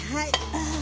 ああ。